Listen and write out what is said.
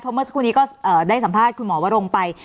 เพราะเมื่อช่วงนี้ก็ได้สัมภาพให้คุณหมอวะรงไป